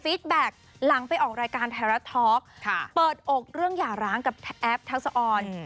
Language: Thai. ฟีดแบ็คหลังไปออกรายการไทราททอลคเปิดอกเรื่องหย่าร้างกับแอปแท้วสะออน